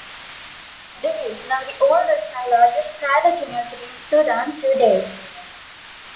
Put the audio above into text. It is now the oldest and largest private university in Sudan too date.